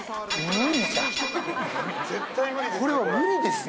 これは無理ですよ。